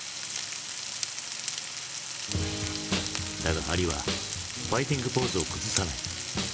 だがアリはファイティングポーズを崩さない。